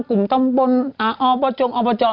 กลุ่มตำบลอบจงอบจ